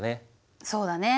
そうだね。